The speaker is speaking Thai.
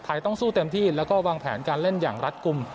ต้องสู้เต็มที่แล้วก็วางแผนการเล่นอย่างรัฐกลุ่ม